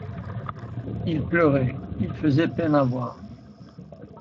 Il pleurait, il faisait peine à voir.